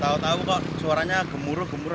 tahu tahu kok suaranya gemuruh gemuruh